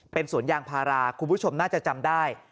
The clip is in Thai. เป็นสวนยางพาราคุณผู้ชมน่าจะจำได้